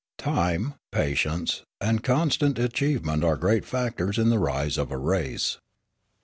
Time, patience, and constant achievement are great factors in the rise of a race.